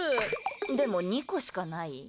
でも、２個しかない。